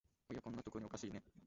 おや、こんなとこにおかしいね